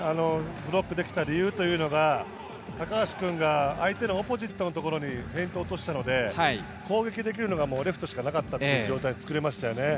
ブロックできた理由は、高橋君が相手のオポジットのところにフェイントを落としたので攻撃できるのがレフトしかなかった状態を作れましたよね。